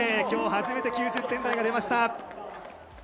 きょう初めて９０点台が出ました。